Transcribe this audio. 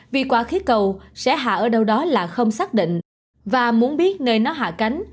vì quả khí cầu sẽ hạ ở đâu đó là không xác định và muốn biết nơi nó hạ cánh